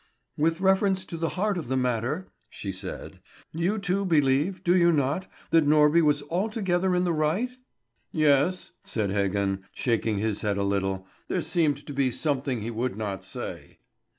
"With reference to the heart of the matter," she said, "you, too, believe, do you not, that Norby was altogether in the right?" "Yes," said Heggen, shaking his head a little. There seemed to be something he would not say.